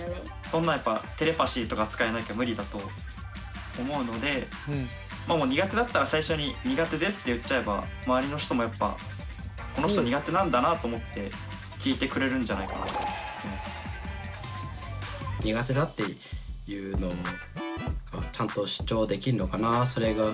そんなんやっぱテレパシーとか使えなきゃ無理だと思うのでもう苦手だったら最初に苦手ですって言っちゃえば周りの人もやっぱこの人苦手なんだなと思って聞いてくれるんじゃないかなと。って思ったりしちゃいますね。